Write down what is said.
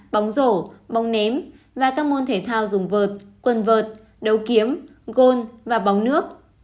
bóng rổ bông ném và các môn thể thao dùng vợt quần vợt đấu kiếm gôn và bóng nước